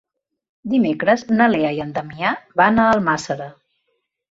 Dimecres na Lea i en Damià van a Almàssera.